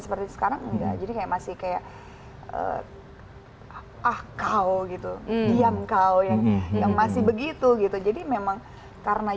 seperti sekarang juga jadi masih kayak ah kau gitu yang kau yang masih begitu gitu jadi memang karena